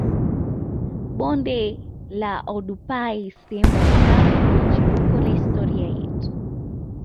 Bonde la Oldupai sehemu ambayo ndio chimbuko la historia yetu